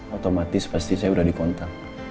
otomatis pasti saya sudah dikontak